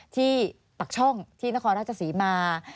ที่ปักช่องที่นครราชสีมา